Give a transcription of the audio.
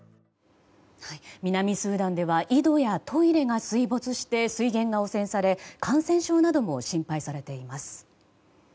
南スーダンでは井戸やトイレが水没して、水源が汚染され感染症なども心配されています。